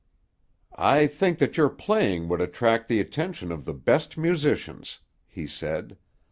"I think that your playing would attract the attention of the best musicians," he said.